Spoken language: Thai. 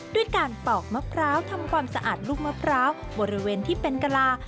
ด้วยการปอกมะพร้าวทำความสะอาดลูกมะพร้าวบริเวณที่เป็นกะลา